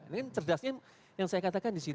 ini cerdasnya yang saya katakan